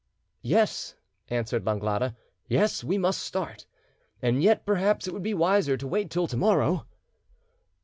"Yes," answered Langlade, "yes, we must start; and yet perhaps it would be wiser to wait till to morrow."